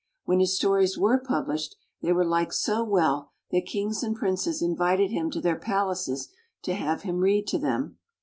When his stories were published, they were liked so well that kings and princes in vited him to their palaces to have him read to them.